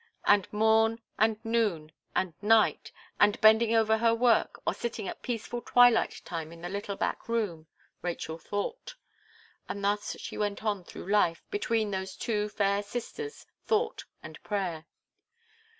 And mom, and noon, and night, and bending over her work, or sitting at peaceful twilight time in the little back room, Rachel thought; and thus she went on through life, between those two fair sisters, Thought and Prayer.